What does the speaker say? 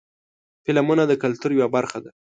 فلمونه د کلتور یوه برخه ده.